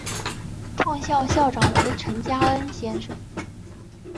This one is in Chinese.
创校校长为陈加恩先生。